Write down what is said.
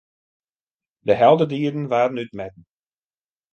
De heldendieden waarden útmetten.